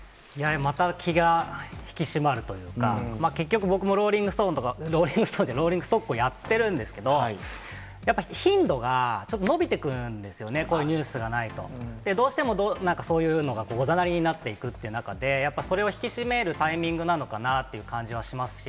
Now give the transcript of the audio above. また気が引き締まるというか、結局、僕もローリングストーンとか、ローリングストーンじゃない、ローリングストックとかをやってるんですけど、やっぱ頻度がちょっと延びてくるんですよね、こういうニュースがないと、どうしてもなんかそういうのがおざなりになっていくって中で、やっぱそれを引き締めるタイミングなのかなという感じはしますし。